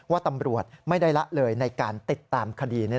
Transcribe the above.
ว่าตำรวจไม่ได้ละเลยในการติดตามคดี